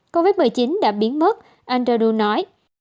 covid một mươi chín đã biến mất andrew nói